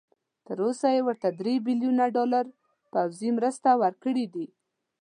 تر اوسه یې ورته درې بيلیونه ډالر پوځي مرسته ورکړي دي.